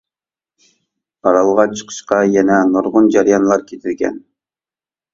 ئارالغا چىقىشقا يەنە نۇرغۇن جەريانلار كېتىدىكەن.